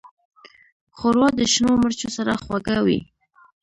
ښوروا د شنو مرچو سره خوږه وي.